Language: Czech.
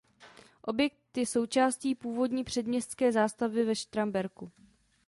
Objekt je součástí původní předměstské zástavby ve Štramberku.